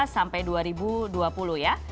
dua ribu delapan belas sampai dua ribu dua puluh ya